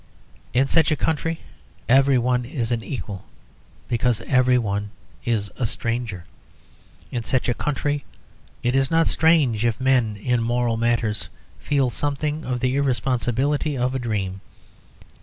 In such a country everyone is an equal, because everyone is a stranger. In such a country it is not strange if men in moral matters feel something of the irresponsibility of a dream.